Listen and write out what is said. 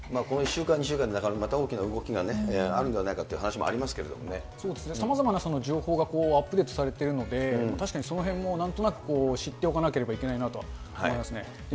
この１週間、２週間の中で、中丸君、大きな動きがあるんではないかという話もあるんですけどそうですね、さまざまな情報がアップデートされているので、確かにそのへんもなんとなく知っておかなければいけないなとは思いますね。